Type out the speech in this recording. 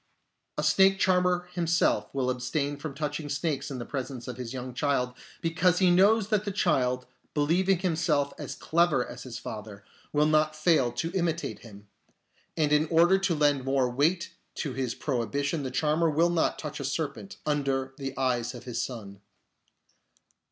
A snake charmer himself will abstain from touching snakes in the presence of his young child, because he knows that the child, believing himself as clever as his father, will not fail to imitate him ; and in order to lend more 40 NEED OF DISCRIMINATION weight to his prohibition the charmer will not touch a serpent under the eyes of his son.